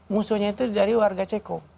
musuhnya itu dari warga ceko